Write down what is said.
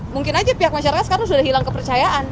mungkin aja pihak masyarakat sekarang sudah hilang kepercayaan